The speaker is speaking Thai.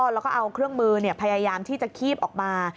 แล้วก็เอาเครื่องมือพยายามที่จะคีบออกมา